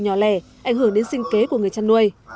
nhỏ lẻ ảnh hưởng đến sinh kế của người chăn nuôi